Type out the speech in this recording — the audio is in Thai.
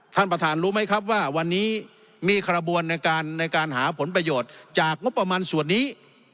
ท่านประธานรู้ไหมครับว่าวันนี้มีขบวนในการในการหาผลประโยชน์จากงบประมาณส่วนนี้